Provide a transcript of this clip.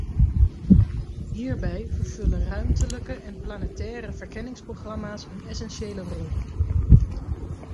Hierbij vervullen ruimtelijke en planetaire verkenningsprogramma's een essentiële rol.